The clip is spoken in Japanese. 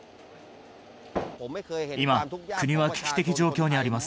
今、国は危機的状況にあります。